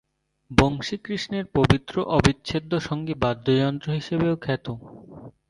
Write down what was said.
বংশী কৃষ্ণের পবিত্র অবিচ্ছেদ্য সঙ্গী বাদ্যযন্ত্র হিসেবেও খ্যাত।